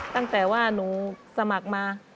ตั้งแต่ว่าหนูสมัครมา